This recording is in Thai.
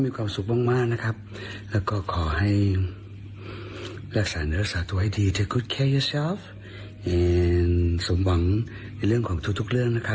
พี่เบิร์ตเนี่ยคือไอดอลในทุกเรื่องค่ะ